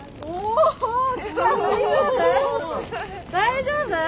大丈夫？